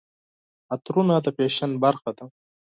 عطرونه د فیشن برخه ده.